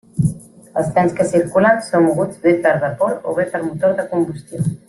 Els trens que circulen són moguts bé per vapor o bé per motor de combustió.